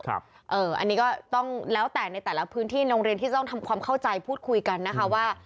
อันนี้ก็ต้องแล้วแต่ในแต่ละพื้นที่โรงเรียนที่จะต้องทำความเข้าใจพูดคุยกันนะคะว่า